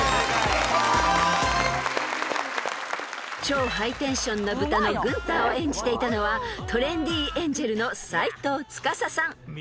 ［超ハイテンションな豚のグンターを演じていたのはトレンディエンジェルの斎藤司さん］